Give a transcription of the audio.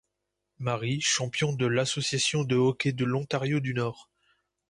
Marie, champion de l'association de hockey de l'Ontario du nord.